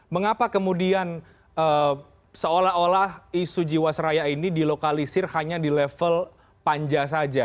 mengapa kemudian seolah olah isu jiwasraya ini dilokalisir hanya di level panja saja